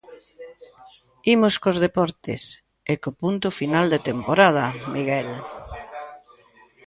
Imos cos deportes, e co punto final da temporada, Miguel.